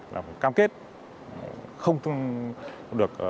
là một cam kết không được